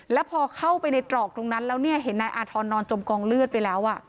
แล้วพอเข้าไปในตรอกตรงนั้นแล้วเนี่ยเห็นนายอาธรณ์นอนจมกองเลือดไปแล้ว